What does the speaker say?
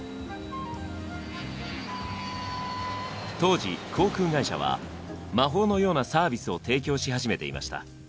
当時航空会社は魔法のようなサービスを提供し始めていました。